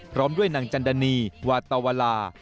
พร้อมด้วยนางจันดณีวาตเตาวาลา